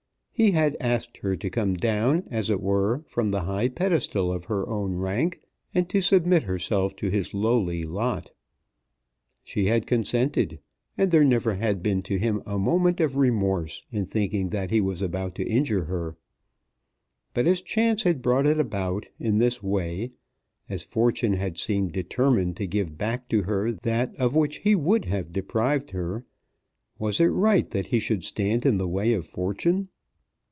He had asked her to come down as it were from the high pedestal of her own rank, and to submit herself to his lowly lot. She had consented, and there never had been to him a moment of remorse in thinking that he was about to injure her. But as Chance had brought it about in this way, as Fortune had seemed determined to give back to her that of which he would have deprived her, was it right that he should stand in the way of Fortune?